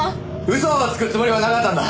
嘘をつくつもりはなかったんだ。